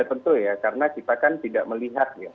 ya tentu ya karena kita kan tidak melihat ya